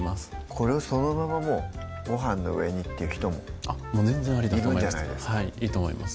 これをそのままもうごはんの上にっていう人もあっ全然ありだと思いますいいと思います